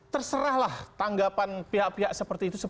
terserahlah tanggapan pihak pihak seperti itu